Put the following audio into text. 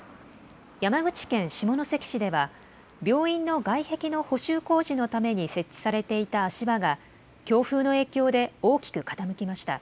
山口県下関市では、病院の外壁の補修工事のために設置されていた足場が、強風の影響で大きく傾きました。